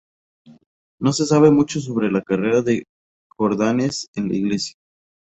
No se sabe mucho sobre la carrera de Jordanes en la Iglesia.